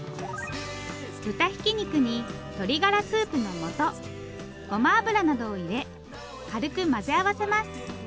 豚ひき肉に鶏がらスープのもとごま油などを入れ軽く混ぜ合わせます